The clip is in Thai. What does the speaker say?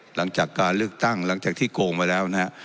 หลังจากการเลือกตั้งหลังจากที่โกงมาแล้วนะฮะ